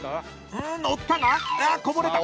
［乗ったがあこぼれた！］